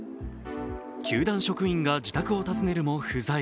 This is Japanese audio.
球団職員が自宅を訪ねるも不在。